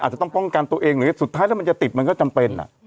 อาจจะต้องป้องกันตัวเองหรือสุดท้ายแล้วมันจะติดมันก็จำเป็น